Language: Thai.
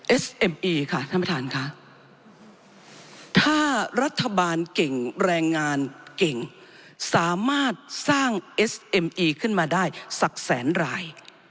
เอสเอ็มอีค่ะท่านประธานค่ะถ้ารัฐบาลเก่งแรงงานเก่งสามารถสร้างเอสเอ็มอีขึ้นมาได้สักแสนราย